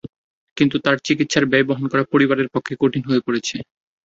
কিন্তু তাঁর চিকিৎসার ব্যয় বহন করা পরিবারের পক্ষে কঠিন হয়ে পড়েছে।